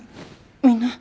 みんな？